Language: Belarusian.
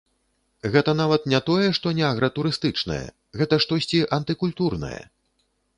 Гэта нават не тое, што не агратурыстычнае, гэта штосьці антыкультурнае.